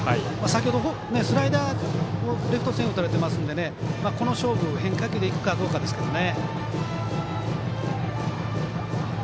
先ほどスライダーをレフト線打たれてますのでこの勝負、変化球でいくかどうかですね。